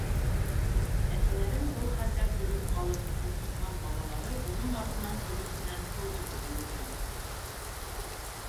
Әсәләрен был хәлдә күреп ҡалып ҡурҡынған балалары уның артынан сүмес менән һыу тотоп йүгергән: